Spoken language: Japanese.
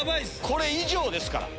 これ以上ですから。